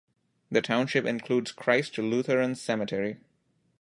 The township includes Christ Lutheran Cemetery.